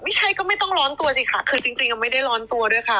ไม่ใช่ก็ไม่ต้องร้อนตัวสิค่ะคือจริงยังไม่ได้ร้อนตัวด้วยค่ะ